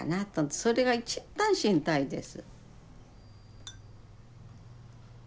それが一番心配です。